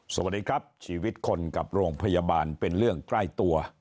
สวัสดีครับชีวิตคนกับโรงพยาบาลเป็นเรื่องใกล้ตัว